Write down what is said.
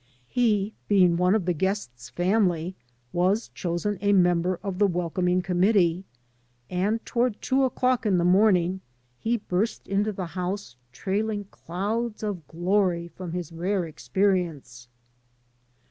He, being one of the guest's family, was chosen a member of the welcoming committee; and toward two o'clock in the morning he burst into the « 7 AN AMERICAN IN THE MAKING house trailing clouds of glory from his rare experience.